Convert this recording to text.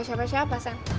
bukan bela siapa siapa sam